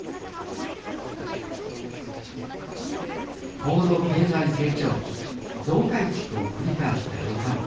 高度経済成長期増改築を繰り返した旅館。